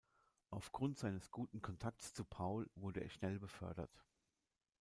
Aufgrund seines guten Kontakts zu Paul wurde er schnell befördert.